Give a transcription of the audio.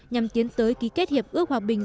nhằm tiến tới ký kết hiệp ước hòa bình